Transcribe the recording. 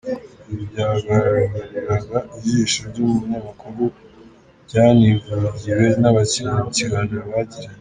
Ibi byagaragariraga ijisho ry’umunyamakuru byanivugiwe n’abakinnyi mu kiganiro bagiranye.